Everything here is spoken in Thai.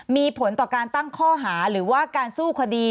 มีผลต่อการตั้งข้อหาหรือว่าการสู้คดี